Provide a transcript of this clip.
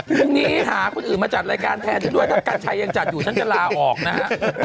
พรุ่งนี้หาคนอื่นมาจัดรายการแทนฉันด้วยถ้ากัญชัยยังจัดอยู่ฉันจะลาออกนะฮะ